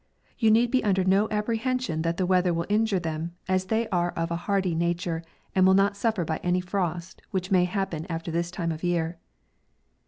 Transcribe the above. You need be under no apprehen sion that the weather will injure them, as they are of a hardy nature, and will not suffer by any frost which may happen after this time of year.